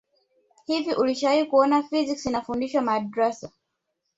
hivi ulishawahi kuona physics inafundishwa madrasa